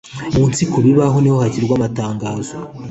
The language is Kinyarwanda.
munsi ku bibaho niho hashyirwa amatangazo